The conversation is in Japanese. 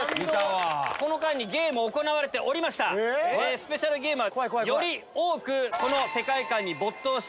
スペシャルゲームは。